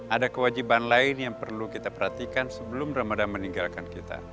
ada kewajiban lain yang perlu kita perhatikan sebelum ramadhan meninggalkan kita